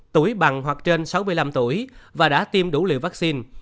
tuổi bằng hoặc trên sáu mươi năm tuổi và đã tiêm đủ liều vaccine